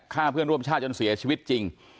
เพื่อนร่วมชาติจนเสียชีวิตจริง